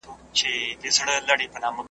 ما پور غوښتی تا نور غوښتی